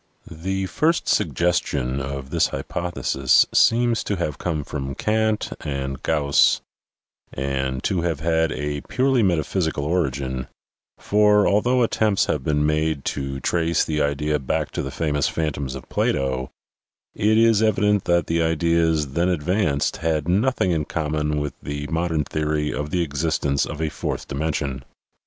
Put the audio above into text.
The first suggestion of this hypothesis seems to have come from Kant and Gauss and to have had a purely meta physical origin, for, although attempts have been made to trace the idea back to the famous phantoms of Plato, it is evident that the ideas then advanced had nothing in com mon with the modern theory of the existence of a fourth dimension.